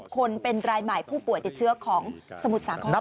คนเป็นรายใหม่ผู้ป่วยติดเชื้อของสมุทรสาคร